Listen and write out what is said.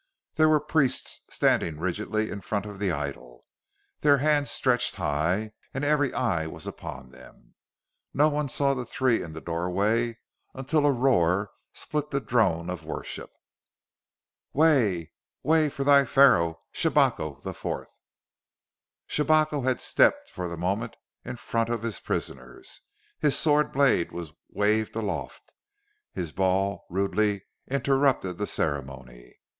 There were priests standing rigidly in front of the idol, their hands stretched high; and every eye was upon them. None saw the three in the doorway until a roar split the drone of worship. "Way! Way for thy Pharaoh, Shabako the Fourth!" Shabako had stepped for the moment in front of his prisoners. His sword blade was waved aloft; his bawl rudely interrupted the ceremony.